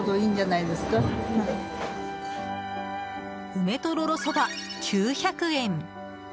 梅とろろそば、９００円。